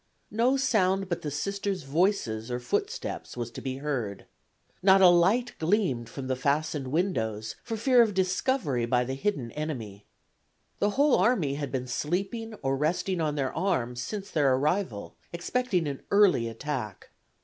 No sound but the Sisters' voices or footsteps was to be heard. Not a light gleamed from the fastened windows for fear of discovery by the hidden enemy. The whole army had been sleeping or resting on their arms since their arrival, expecting an early attack.